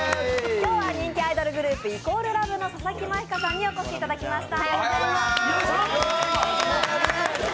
今日は人気アイドルグループ＝ＬＯＶＥの佐々木舞香さんにお越しいただきました。